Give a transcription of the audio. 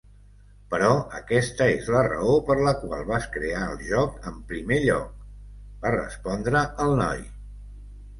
"Però aquesta és la raó per la qual vas crear el joc en primer lloc", va respondre el noi.